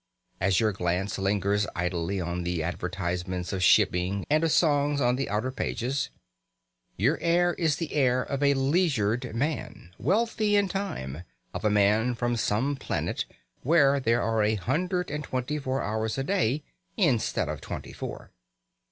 As your glance lingers idly at the advertisements of shipping and of songs on the outer pages, your air is the air of a leisured man, wealthy in time, of a man from some planet where there are a hundred and twenty four hours a day instead of twenty four.